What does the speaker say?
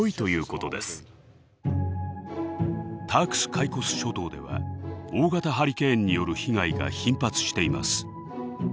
タークス・カイコス諸島では大型ハリケーンによる被害が頻発しています。